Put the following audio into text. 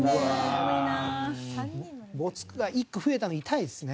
没句が１個増えたの痛いですね。